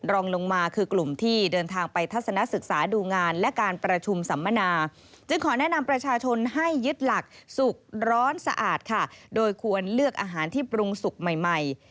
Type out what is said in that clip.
รองลงมาคือกลุ่มที่เดินทางไปทัศนศึกษาดูงานและการประชุมสัมมนาจึงขอแนะนำประชาชนให้ยึดหลักสุกร้อนสะอาดค่ะโดยควรเลือกอาหารที่ปรุงสุกใหม่ใหม่